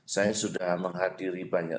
saya sudah menghadiri banyak